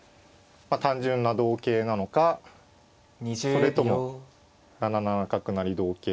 単純な同桂なのかそれとも７七角成同桂